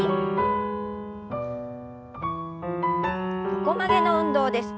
横曲げの運動です。